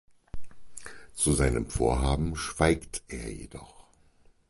Zu seinem Vorhaben schweigt er jedoch.